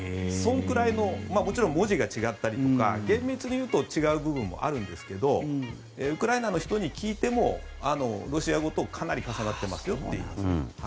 そのくらいの文字が違ったりとか厳密に言うと違う部分もあるんですけどウクライナの人に聞いてもロシア語とかなり重なってますよって言います。